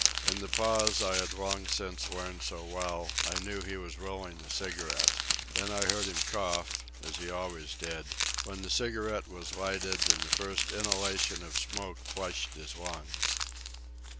In the pause I had long since learned so well I knew he was rolling a cigarette. Then I heard him cough, as he always did, when the cigarette was lighted and the first inhalation of smoke flushed his lungs.